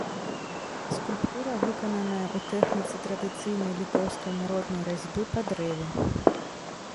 Скульптура выкананая ў тэхніцы традыцыйнай літоўскай народнай разьбы па дрэве.